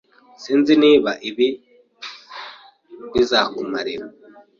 Sinzi niba ibi bizakumarira. )